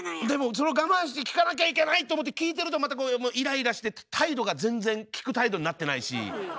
でもそれを我慢して聞かなきゃいけない！と思って聞いてるとまたこうイライラして態度が全然聞く態度になってないし。